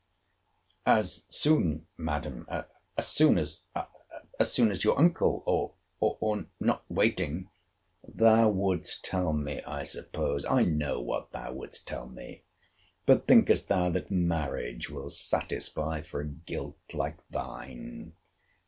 As soon, Madam—as soon—as—as soon as your uncle—or—not waiting—— Thou wouldest tell me, I suppose—I know what thou wouldest tell me—But thinkest thou, that marriage will satisfy for a guilt like thine?